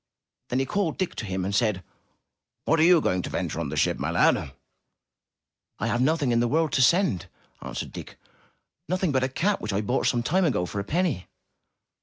Then he called Dick to him and said, "What are you going to venture on the ship, my lad?'' "I have nothing in the world to send,'' answered Dick, "nothing but a cat which I bought some time ago for a penny.''